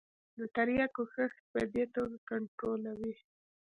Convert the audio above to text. د تریاکو کښت په دې توګه کنترولوي.